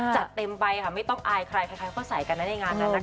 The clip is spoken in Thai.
จัดเต็มไปค่ะไม่ต้องอายใครใครก็ใส่กันนะในงานนั้นนะคะ